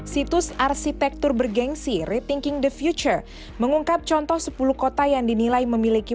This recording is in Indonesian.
situs arsitektur bergensi rethinking the future mengungkap contoh sepuluh kota yang dinilai memiliki